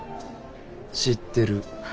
知ってる。